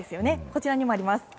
こちらにもあります。